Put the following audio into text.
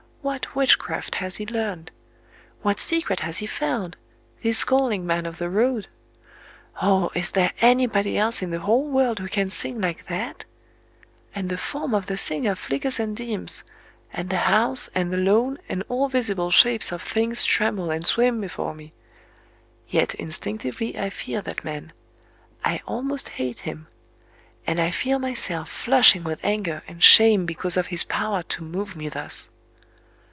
What witchcraft has he learned? what secret has he found—this scowling man of the road?... Oh! is there anybody else in the whole world who can sing like that?... And the form of the singer flickers and dims;—and the house, and the lawn, and all visible shapes of things tremble and swim before me. Yet instinctively I fear that man;—I almost hate him; and I feel myself flushing with anger and shame because of his power to move me thus...